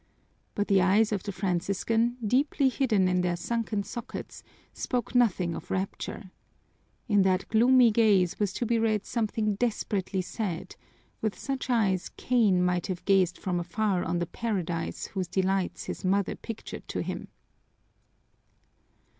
But the eyes of the Franciscan, deeply hidden in their sunken sockets, spoke nothing of rapture. In that gloomy gaze was to be read something desperately sad with such eyes Cain might have gazed from afar on the Paradise whose delights his mother pictured to him!